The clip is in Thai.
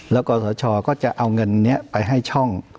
แล้วกศชก็จะเอาเงินนี้ไปให้ช่อง